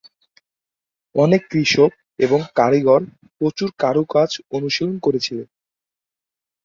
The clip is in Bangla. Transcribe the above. অনেক কৃষক এবং কারিগর প্রচুর কারুকাজ অনুশীলন করেছিলেন।